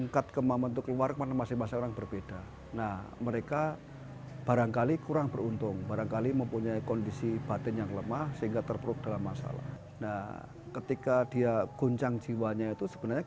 kalau dilihat orangnya sudah pusing ini orang kok sudah ngamuk sudah gila parah itu kalau dibilang pusing